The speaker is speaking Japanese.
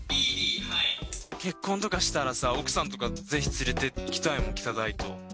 結婚とかしたらさ、奥さんとかぜひ連れていきたいもん、北大東。